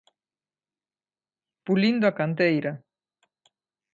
Pulindo a canteira.